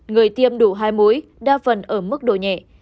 người tiêm đủ hai mối đa phần ở mức độ nhẹ